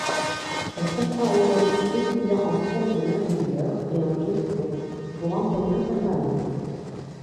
Elle comprend aujourd'hui étudiants en sciences de l'ingénieur et en gestion pour enseignants permanents.